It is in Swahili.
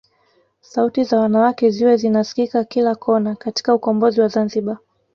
Sauti za wanawake ziwe zinasikika kila kona katika ukombozi wa Zanzibar